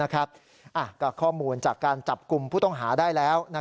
ก็ข้อมูลจากการจับกลุ่มผู้ต้องหาได้แล้ว